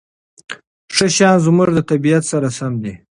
ښه شیان زموږ د طبیعت سره سم دي.